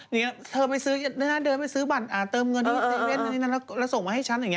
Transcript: นี่เธอไปซื้อเดินไปซื้อบัตรเติมเงิน๗๑๑แล้วส่งมาให้ฉันอย่างนี้